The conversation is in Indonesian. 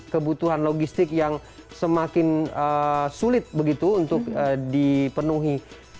kebutuhan logistik yang semakin sulit begitu untuk dipenuhi